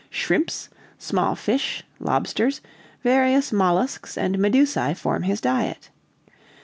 Shrimps, small fish, lobsters, various molluscs, and medusæ form his diet.